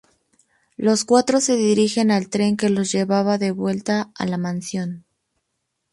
Los cuatro se dirigen al tren que los llevaba de vuelta a la mansión.